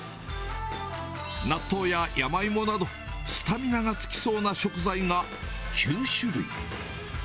納豆や山芋など、スタミナがつきそうな食材が９種類。